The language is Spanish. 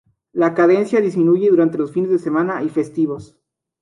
La cadencia disminuye durante los fines de semana y festivos.